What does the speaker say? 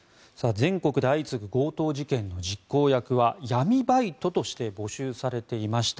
全国で相次ぐ強盗事件の実行役は闇バイトとして募集されていました。